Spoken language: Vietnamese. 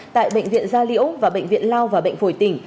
tại bệnh viện gia liễu và bệnh viện lao và bệnh phổi tỉnh